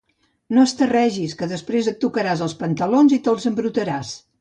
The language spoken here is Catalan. No esterregis, que després et tocaràs els pantalons i te'ls embrutaràs.